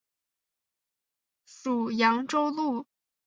属扬州路。